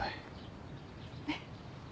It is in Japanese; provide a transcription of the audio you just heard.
えっ？